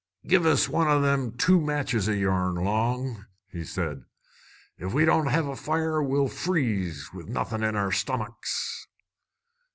"Give us one o' them two matches o' yourn, Long," said he. "If we don't hev' a fire, we'll freeze, with nothin' in our stommicks."